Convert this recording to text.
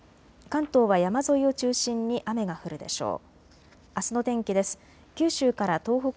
関東は山沿いを中心に雨が降るでしょう。